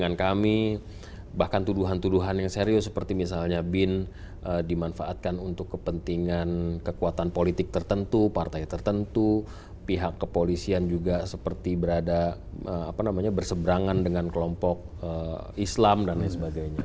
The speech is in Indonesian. oke bahkan tuduhan tuduhan yang serius seperti misalnya bin dimanfaatkan untuk kepentingan kekuatan politik tertentu partai tertentu pihak kepolisian dan lain lain